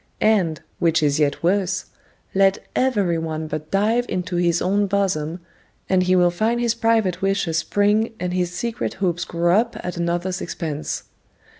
And, which is yet worse, let every one but dive into his own bosom, and he will find his private wishes spring and his secret hopes grow up at another's expense.